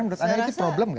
menurut anda itu problem nggak